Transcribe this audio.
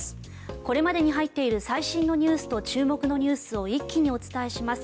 これまでに入っている最新ニュースと注目ニュースを一気にお伝えします。